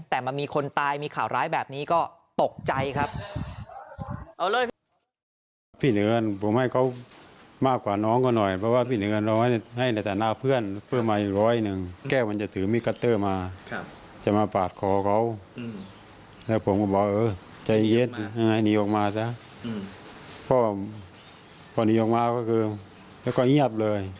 แต่มามีคนตายมีข่าวร้ายแบบนี้ก็ตกใจครับ